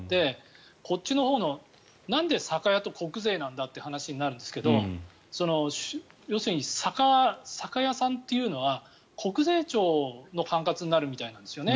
こっちのほうのなんで酒屋と国税なんだという話になるんですけど要するに酒屋さんというのは国税庁の管轄になるみたいなんですよね。